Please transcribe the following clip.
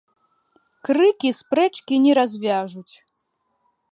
Крыкі спрэчкі не разьвяжуць